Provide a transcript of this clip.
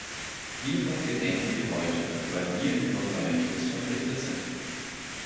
Ihrer gedenken wir heute, weil wir ihrem Vermächtnis verpflichtet sind.